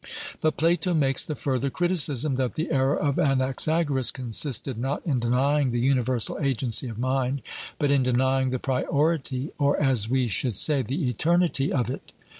But Plato makes the further criticism, that the error of Anaxagoras consisted, not in denying the universal agency of mind, but in denying the priority, or, as we should say, the eternity of it.